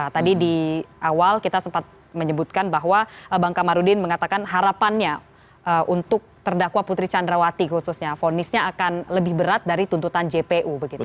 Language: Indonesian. tadi di awal kita sempat menyebutkan bahwa bang kamarudin mengatakan harapannya untuk terdakwa putri candrawati khususnya fonisnya akan lebih berat dari tuntutan jpu